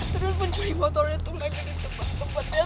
terus pencuri motornya tuh naikin ke tempat tempatnya